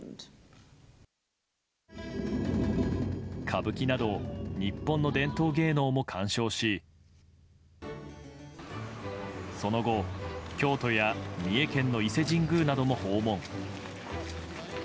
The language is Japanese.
歌舞伎など日本の伝統芸能も鑑賞しその後、京都や三重県の伊勢神宮なども訪問。